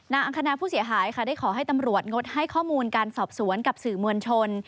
อังคณาผู้เสียหายค่ะได้ขอให้ตำรวจงดให้ข้อมูลการสอบสวนกับสื่อมวลชน